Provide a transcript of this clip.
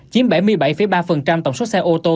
chiếm bảy mươi bảy ba tổng số xe ô tô